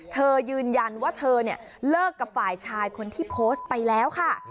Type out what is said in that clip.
เธอยืนยันว่าเธอเนี่ยเลิกกับฝ่ายชายคนที่โพสต์ไปแล้วค่ะ